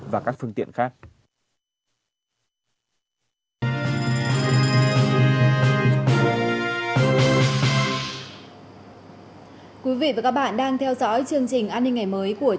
và các phương tiện khác